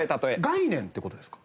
概念って事ですか？